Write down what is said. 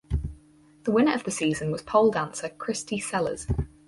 The winner of the season was pole dancer Kristy Sellars.